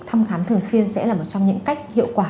thăm khám thường xuyên sẽ là một trong những cách hiệu quả